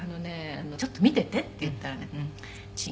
「“ちょっと見てて”って言ったらね“違うよ”」